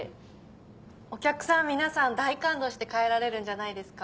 お客さん皆さん大感動して帰られるんじゃないですか？